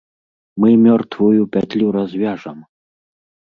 Мы мёртвую пятлю развяжам!